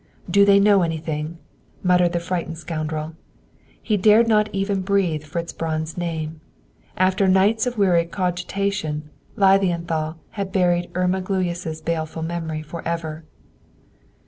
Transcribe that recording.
"Do they know anything?" muttered the frightened scoundrel. He dared not even breathe Fritz Braun's name. After nights of weary cogitation, Lilienthal had buried Irma Gluyas' baleful memory forever.